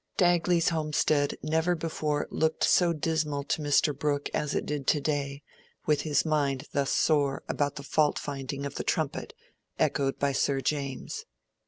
Dagley's homestead never before looked so dismal to Mr. Brooke as it did today, with his mind thus sore about the fault finding of the "Trumpet," echoed by Sir James.